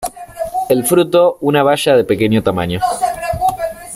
El fruto una baya de pequeño tamaño.